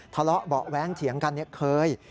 ทะเลาะเบาะแว้งเถียงกันเคย